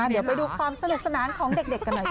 เดี๋ยวไปดูความสนุกสนานของเด็กกันหน่อยค่ะ